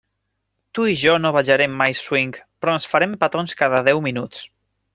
Tu i jo no ballarem mai swing, però ens farem petons cada deu minuts.